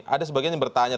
ada sebagian yang bertanya